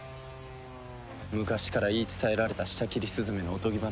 昔から言い伝えられた『舌切雀』のおとぎ話だ。